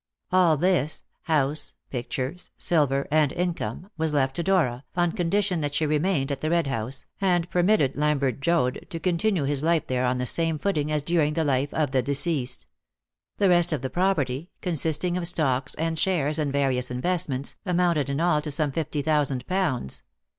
All this house, pictures, silver, and income was left to Dora, on condition that she remained at the Red House, and permitted Lambert Joad to continue his life there on the same footing as during the life of the deceased. The rest of the property, consisting of stocks and shares and various investments, amounted in all to some fifty thousand pounds.